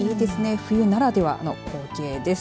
冬ならではの光景です。